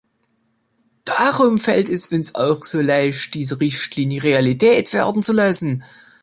Darum fällt es uns auch so leicht, diese Richtlinie Realität werden zu lassen.